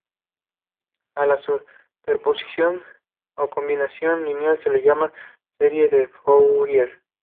A la superposición o combinación lineal se le llama Serie de Fourier.